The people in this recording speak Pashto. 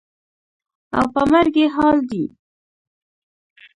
او په مرګي حال دى.